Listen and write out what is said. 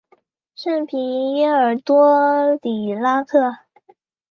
圣皮耶尔多里拉克。